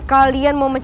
kalian mau menang